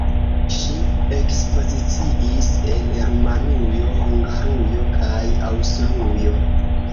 Ŝi ekspoziciis en Rumanujo, Hungarujo kaj Aŭstrujo.